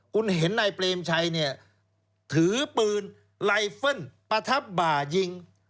คุณเห็นนายเปรมชัยเนี่ยถือปืนไลเฟิลประทับบ่ายิง